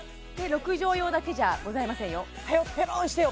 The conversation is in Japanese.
６畳用だけじゃございませんよはよ